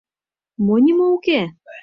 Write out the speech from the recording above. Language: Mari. — Мо нимо уке?